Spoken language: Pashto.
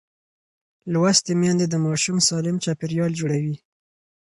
لوستې میندې د ماشوم سالم چاپېریال جوړوي.